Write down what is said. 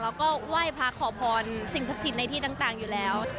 แล้วก็ไหว้พระขอพรสิ่งศักดิ์สิทธิ์ในที่ต่างอยู่แล้ว